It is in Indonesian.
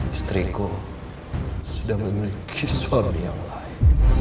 istriku sudah memiliki soal yang lain